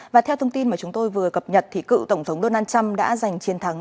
và theo thông tin mà chúng tôi vừa cập nhật thì cựu tổng thống donald trump đã giành chiến thắng